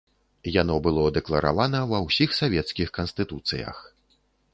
Яно было дэкларавана ва ўсіх савецкіх канстытуцыях.